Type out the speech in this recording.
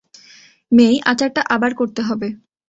মেই, আচারটা আবার করতে হবে।